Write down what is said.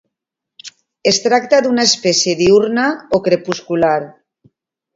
Es tracta d'una espècie diürna o crepuscular.